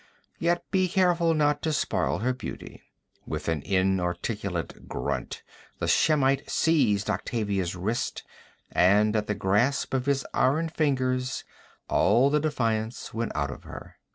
Yet be careful not to spoil her beauty.' With an inarticulate grunt the Shemite seized Octavia's wrist, and at the grasp of his iron fingers, all the defiance went out of her.